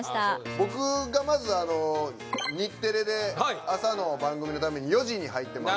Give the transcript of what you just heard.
僕がまずあの日テレで朝の番組のために４時に入ってます